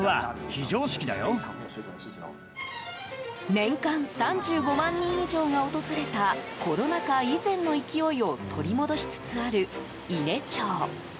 年間３５万人以上が訪れたコロナ禍以前の勢いを取り戻しつつある伊根町。